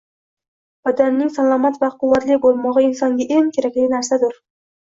Badanning salomat va quvvatli bo’lmog’i insonga eng kerakli narsadur